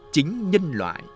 chính nhân loại